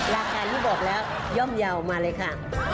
ราคาที่บอกแล้วย่อมเยาว์มาเลยค่ะ